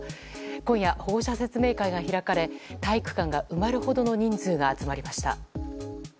今夜、保護者説明会が開かれ、体育館が埋まるほどの人数が集まりました。